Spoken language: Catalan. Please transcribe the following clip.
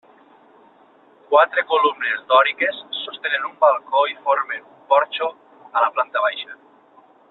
Quatre columnes dòriques sostenen un balcó i formen un porxo a la planta baixa.